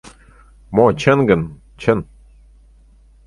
— Мо чын гын, чын.